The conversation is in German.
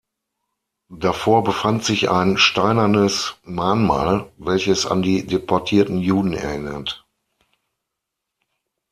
Davor befand sich ein steinernes Mahnmal, welches an die deportierten Juden erinnert.